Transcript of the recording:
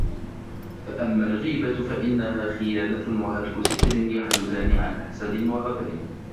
فَأَمَّا الْغِيبَةُ فَإِنَّهَا خِيَانَةٌ وَهَتْكُ سِتْرٍ يَحْدُثَانِ عَنْ حَسَدٍ وَغَدْرٍ